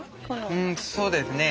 うんそうですね。